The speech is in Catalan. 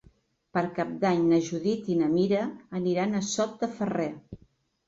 Per Cap d'Any na Judit i na Mira aniran a Sot de Ferrer.